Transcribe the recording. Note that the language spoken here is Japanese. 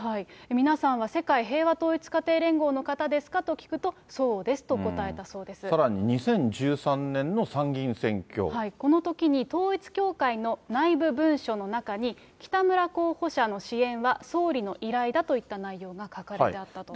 皆さんは世界平和統一家庭連合の方ですかと聞くと、そうですさらに２０１３年の参議院選このときに統一教会の内部文書の中に、北村候補者の支援は総理の依頼だといった内容が書かれてあったと。